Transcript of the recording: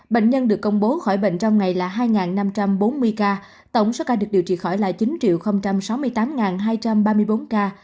bệnh nhân được công bố khỏi bệnh trong ngày là hai năm trăm bốn mươi ca tổng số ca được điều trị khỏi là chín sáu mươi tám hai trăm ba mươi bốn ca